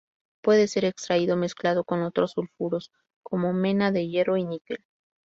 Puede ser extraído mezclado con otros sulfuros como mena de hierro y níquel.